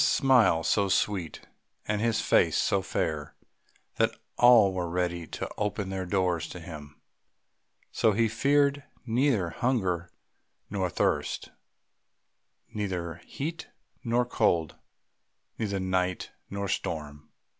His smile was so sweet and his face so fair that all were ready to open their doors to him; so he feared neither hunger nor thirst, neither heat nor cold, neither night nor storm.